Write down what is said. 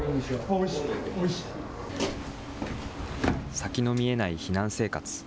先の見えない避難生活。